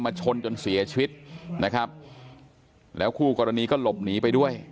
ชนจนเสียชีวิตนะครับแล้วคู่กรณีก็หลบหนีไปด้วย